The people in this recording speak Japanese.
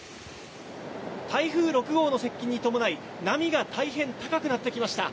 台風６号の接近に伴い波が大変高くなってきました。